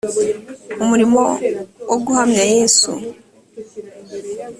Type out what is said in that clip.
umurimo wo guhamya yesu